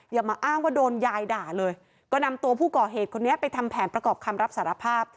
อย่ามาอ้างว่าโดนยายด่าเลยก็นำตัวผู้ก่อเหตุคนนี้ไปทำแผนประกอบคำรับสารภาพ